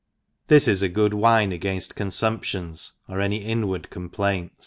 — This is a good wine againft confumptions, or any inward complaint.